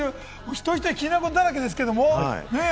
一人一人気になることだらけですけれどもね。